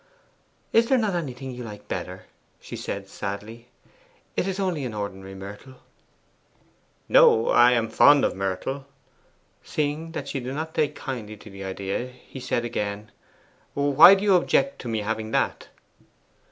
'Is there not anything you like better?' she said sadly. 'That is only an ordinary myrtle.' 'No: I am fond of myrtle.' Seeing that she did not take kindly to the idea, he said again, 'Why do you object to my having that?